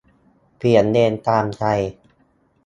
- เปลี่ยนเลนตามใจ